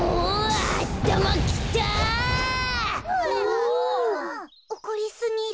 おこりすぎる。